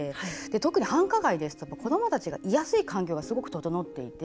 特に、繁華街ですとか子どもたちが居やすい環境がすごく整っていて。